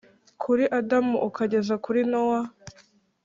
kuri Adamu ukageza kuri Nowa